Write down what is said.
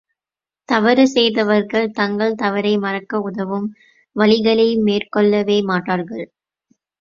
தவறு செய்தவர்கள் தங்கள் தவறை மறக்க உதவும் வழிகளை மேற்கொள்ளவே மாட்டார்கள்.